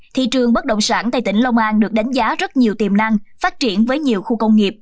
thị trường bất động sản tại tỉnh long an được đánh giá rất nhiều tiềm năng phát triển với nhiều khu công nghiệp